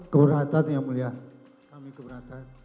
keberatan yang mulia kami keberatan